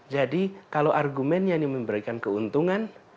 jadi kalau argumen yang ini memberikan keuntungan